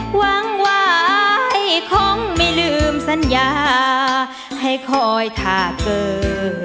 หวังว่าอ้ายคงไม่ลืมสัญญาให้คอยถ้าเกิด